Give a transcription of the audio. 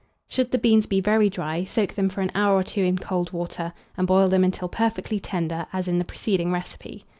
Should the beans be very dry, soak them for an hour or two in cold water, and boil them until perfectly tender, as in the preceding recipe.